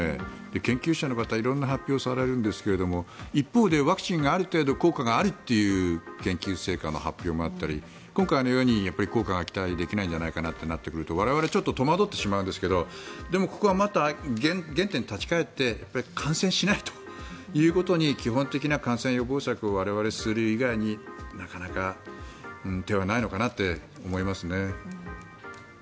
研究者の方色んな発表をされるんですが一方でワクチンがある程度効果があるという研究成果の発表もあったり今回のように期待ができないんじゃないかとなってくると、我々ちょっと戸惑ってしまうんですがここは原点に立ち返って感染しないということに基本的な感染予防策を我々、する以外になかなか手はないのかなと思いますね。